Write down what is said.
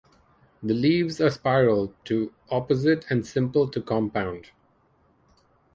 The leaves are spiral to opposite and simple to compound.